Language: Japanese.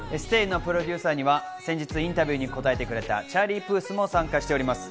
『ＳＴＡＹ』のプロデューサーには先月、インタビューに応えてくれたチャーリー・プースも参加しております。